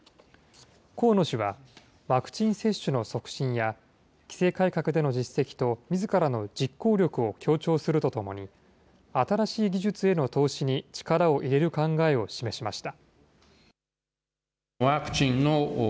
河野氏はワクチン接種の促進や、規制改革での実績とみずからの実行力を強調するとともに、新しい技術への投資に力を入れる考えを示しました。